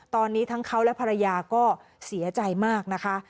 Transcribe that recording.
ตอนนี้ทั้งเขาและภรรยาก็เสียใจมากนะคะ